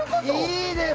いいです！